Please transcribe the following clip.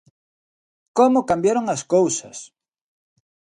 ¡Como cambiaron as cousas!